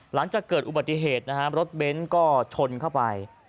หลังจากเกิดอุบัติเหตุรถเบ็นซ์ชนเข้าไป